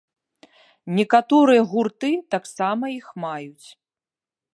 Некаторыя гурты таксама іх маюць.